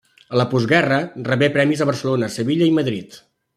A la postguerra rebé premis a Barcelona, Sevilla i Madrid.